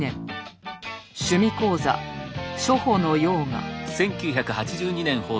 「趣味講座初歩のヨーガ」。